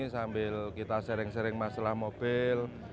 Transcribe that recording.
sambil kita sering sering masalah mobil